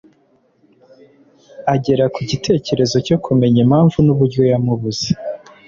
agera ku gitekerezo cyo kumenya impamvu n'uburyo yamubuze.